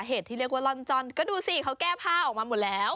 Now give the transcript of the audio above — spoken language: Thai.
ที่เรียกว่าลอนจอนก็ดูสิเขาแก้ผ้าออกมาหมดแล้ว